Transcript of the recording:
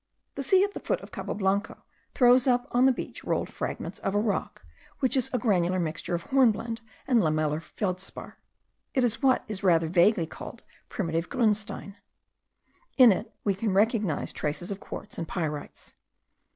The sea at the foot of Cabo Blanco throws up on the beach rolled fragments of a rock, which is a granular mixture of hornblende and lamellar feldspar. It is what is rather vaguely called PRIMITIVE GRUNSTEIN. In it we can recognize traces of quartz and pyrites.